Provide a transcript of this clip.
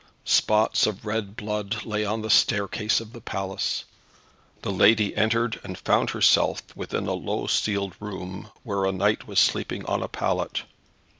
Spots of red blood lay on the staircase of the palace. The lady entered and found herself within a low ceiled room, where a knight was sleeping on a pallet.